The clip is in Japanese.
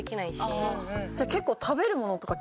じゃあ結構。